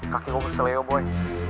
kaki gua berseleo boy